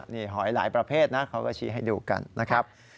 นี่หอยหลายประเภทนะเขาก็ชี้ให้ดูกันนะครับ